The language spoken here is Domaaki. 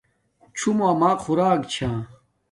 چھوموں اما خوراک چھا